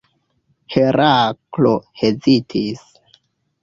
Heraklo hezitis.